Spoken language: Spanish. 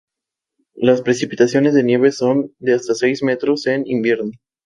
Las precipitaciones de nieve son de hasta seis metros en invierno.